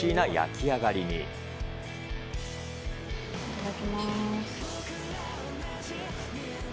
いただきます。